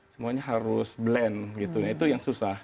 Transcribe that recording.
semuanya harus blend gitu nah itu yang susah